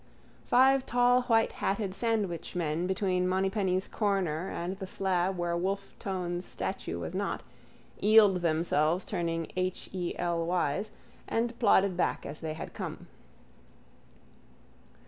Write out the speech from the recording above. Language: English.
Five tallwhitehatted sandwichmen between Monypeny's corner and the slab where Wolfe Tone's statue was not, eeled themselves turning H. E. L. Y.'S and plodded back as they had come.